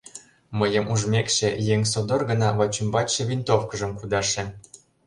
Мыйым ужмекше, еҥ содор гына вачӱмбачше винтовкыжым кудаше.